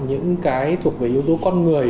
những cái thuộc về yếu tố con người